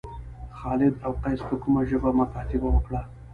خالد او قیس په کومه ژبه مکاتبه وکړه.